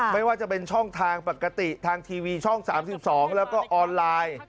ไม่ว่าจะเป็นช่องทางปกติทางทีวีช่อง๓๒แล้วก็ออนไลน์